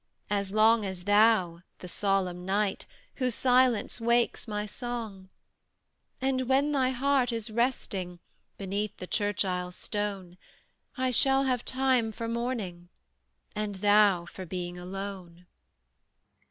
As long as thou, the solemn night, Whose silence wakes my song. "And when thy heart is resting Beneath the church aisle stone, I shall have time for mourning, And THOU for being alone."